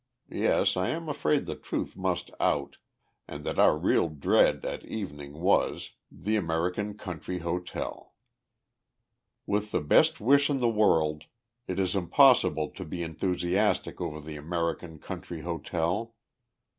yes, I am afraid the truth must out, and that our real dread at evening was the American country hotel. With the best wish in the world, it is impossible to be enthusiastic over the American country hotel.